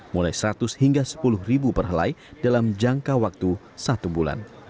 mulai seratus hingga sepuluh ribu per helai dalam jangka waktu satu bulan